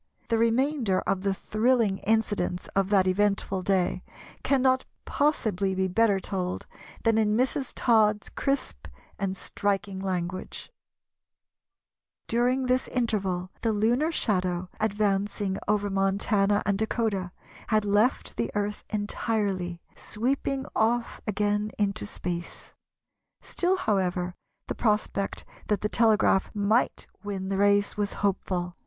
The remainder of the thrilling incidents of that eventful day cannot possibly be better told than in Mrs. Todd's crisp and striking language:— "During this interval the lunar shadow, advancing over Montana and Dakota, had left the Earth entirely, sweeping off again into space. Still, however, the prospect that the telegraph might win the race was hopeful.